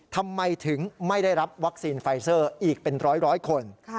ทำไมถึงไม่ได้รับวัคซีนไฟเซอร์อีกเป็นร้อยคน